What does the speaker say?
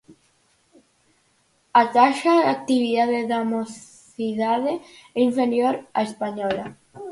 A taxa de actividade da mocidade é inferior á española.